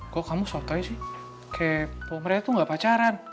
kok kamu soalnya sih kayak pomeret tuh gak pacaran